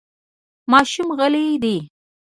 ماشومان غلي دي .